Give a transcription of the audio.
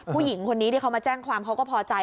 ผู้หญิงคนนี้ที่เขามาแจ้งความเขาก็พอใจ